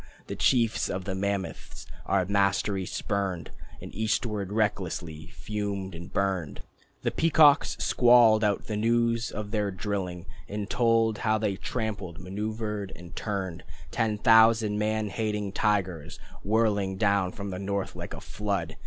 The chiefs of the mammoths our mastery spurned, And eastward restlessly fumed and burned. The peacocks squalled out the news of their drilling And told how they trampled, maneuvered, and turned. Ten thousand man hating tigers Whirling down from the north, like a flood!